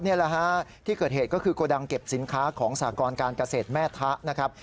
นี่แหละฮะที่เกิดเหตุก็คือโกดังเก็บสินค้าของสากรการเกษตรแม่ทะนะครับ